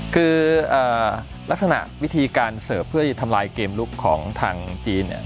คือลักษณะวิธีการเสิร์ฟเพื่อจะทำลายเกมลุกของทางจีนเนี่ย